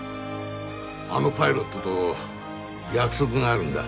あのパイロットと約束があるんだ。